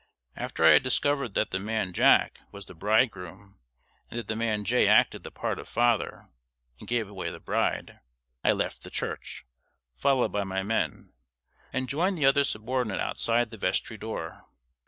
After I had discovered that the man "Jack" was the bridegroom, and that the man Jay acted the part of father, and gave away the bride, I left the church, followed by my men, and joined the other subordinate outside the vestry door.